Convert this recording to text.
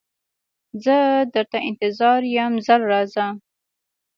زه درته انتظار یم ژر راځه